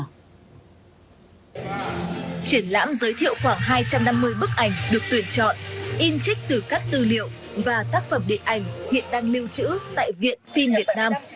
triển lãm giới thiệu khoảng hai trăm năm mươi bức ảnh được tuyển chọn in trích từ các tư liệu và tác phẩm điện ảnh hiện đang lưu trữ tại viện phim việt nam